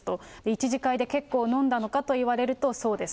１次会で結構飲んだのかといわれると、そうです。